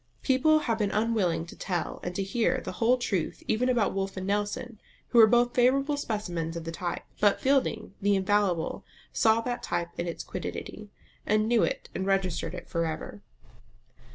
People have been unwilling to tell and to hear the whole truth even about Wolfe and Nelson, who were both favourable specimens of the type; but Fielding the infallible saw that type in its quiddity, and knew it, and registered it for ever.